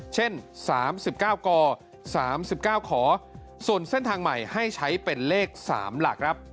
เช่น๓๙ก๓๙ขอส่วนเส้นทางใหม่ให้ใช้เป็นเลข๓หลักครับ